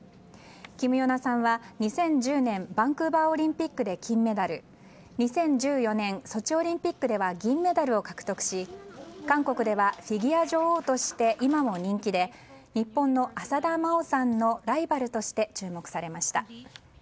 キム・ヨナさんは２０１０年バンクーバーオリンピックで金メダル２０１４年ソチオリンピックでは銀メダルを獲得し韓国ではフィギュア女王として今も人気で日本の浅田真央さんのライバルとして注目されました。